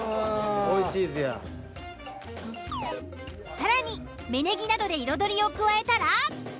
更に芽ネギなどで彩りを加えたら。